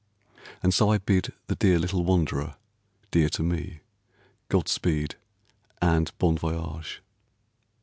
And so I bid the dear little wanderer (dear to me), God speed, and bon voyage.